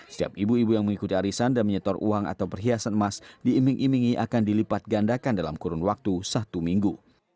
setiap ibu ibu yang mengikuti arisan dan menyetor uang atau perhiasan emas diiming imingi akan dilipat gandakan dalam kurun waktu satu minggu